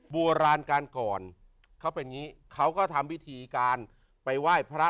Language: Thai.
โบราณการก่อนเขาเป็นอย่างนี้เขาก็ทำวิธีการไปไหว้พระ